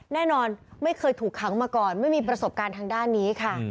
ไม่เคยถูกขังมาก่อนไม่มีประสบการณ์ทางด้านนี้ค่ะ